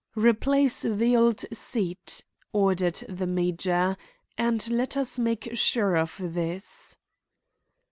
"Replace the old seat," ordered the major, "and let us make sure of this."